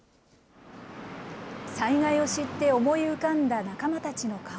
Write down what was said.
災害を知って思い浮かんだ仲間たちの顔。